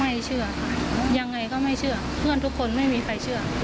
ไม่เชื่อยังไงก็ไม่เชื่อเพื่อนทุกคนไม่มีใครเชื่อ